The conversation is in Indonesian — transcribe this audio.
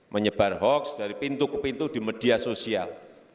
menyebar hoax dari pintu ke pintu di media sosial